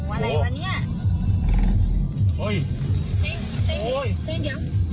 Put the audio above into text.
อะไรวะเนี่ย